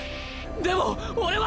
でも俺は。